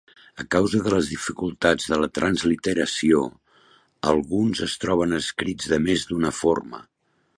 A causa de les dificultats de la transliteració, alguns es troben escrits de més d'una forma.